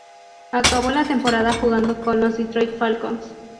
Acabó la temporada jugando con los Detroit Falcons.